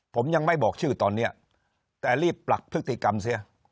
ผมยังไม่บอกชื่อตอนนี้แต่รีบปลักพฤติกรรมเสีย